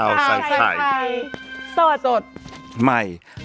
สวัสดีครับยิ้มให้แอบใหม่เชฟ